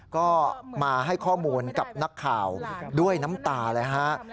ก็มาให้ข้อมูลกับนักข่าวด้วยน้ำตาเลยฮะ